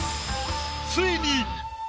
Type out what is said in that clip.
ついに。